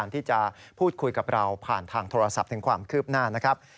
ที่จะพูดคุยกับเราผ่านทางโทรศัพท์ถึงความคืบหน้านะครับ